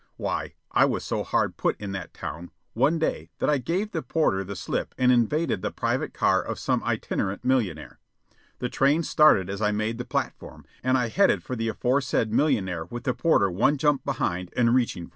Why, I was so hard put in that town, one day, that I gave the porter the slip and invaded the private car of some itinerant millionnaire. The train started as I made the platform, and I headed for the aforesaid millionnaire with the porter one jump behind and reaching for me.